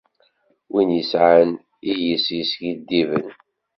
Wid i yesɛan iles yeskiddiben.